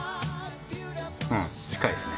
うん近いですね。